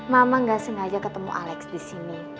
mama gak sengaja ketemu alex di sini